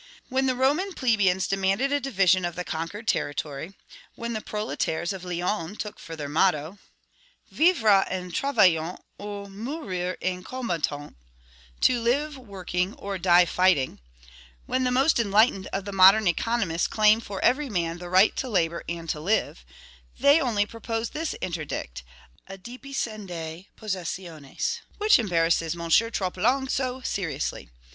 When the Roman plebeians demanded a division of the conquered territory; when the proletaires of Lyons took for their motto, Vivre en travaillant, ou mourir en combattant (to live working, or die fighting); when the most enlightened of the modern economists claim for every man the right to labor and to live, they only propose this interdict, adipiscendae possessionis, which embarrasses M. Troplong so seriously.